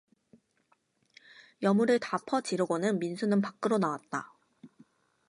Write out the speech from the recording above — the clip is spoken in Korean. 여물을 다 퍼 지르고는 민수는 밖으로 나왔다.